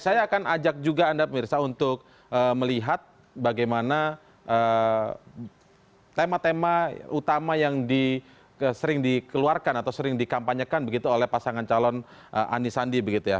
saya akan ajak juga anda pemirsa untuk melihat bagaimana tema tema utama yang sering dikeluarkan atau sering dikampanyekan begitu oleh pasangan calon anisandi begitu ya